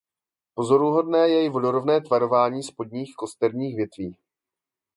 Pozoruhodné je i vodorovné tvarování spodních kosterních větví.